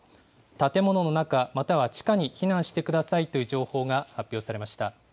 建物の中、または地下に避難してくださいという情報が発表されました。